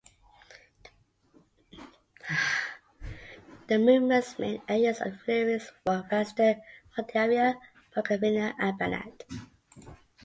The movement's main areas of influence were Western Moldavia, Bukovina, and Banat.